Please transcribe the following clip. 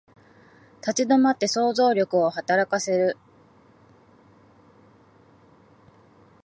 立ち止まって想像力を働かせる